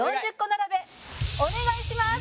並べお願いします！